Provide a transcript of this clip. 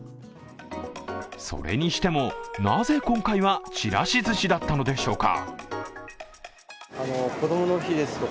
それにしても、なぜ今回はちらしずしだったのでしょうか。